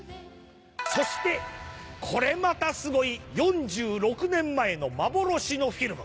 そしてこれまたすごい４６年前の幻のフィルム。